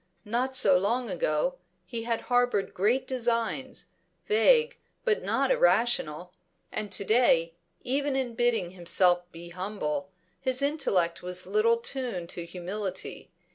Not so long ago, he had harboured great designs, vague but not irrational. And to day, even in bidding himself be humble, his intellect was little tuned to humility.